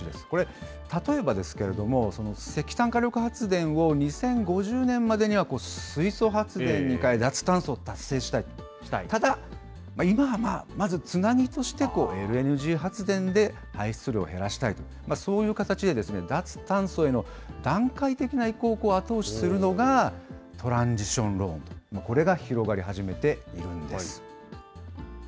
これ、例えばですけれども、石炭火力発電を２０５０年までには水素発電に替え、脱炭素を達成したい、ただ今はまあ、まずつなぎとして、ＬＮＧ発電で排出量を減らしたいと、そういう形で脱炭素への段階的な移行を後押しするのがトランジション・ローンと、これが広がり始めているんです。